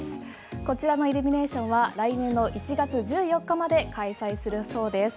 こちらのイルミネーションは来年の１月１４日まで開催するそうです。